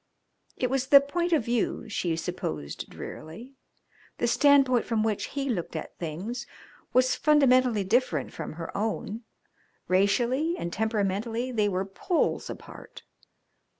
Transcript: It was the point of view, she supposed drearily; the standpoint from which he looked at things was fundamentally different from her own racially and temperamentally they were poles apart.